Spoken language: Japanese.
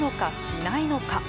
しないのか。